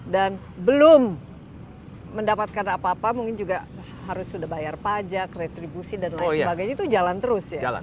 dan belum mendapatkan apa apa mungkin juga harus sudah bayar pajak retribusi dan lain sebagainya itu jalan terus ya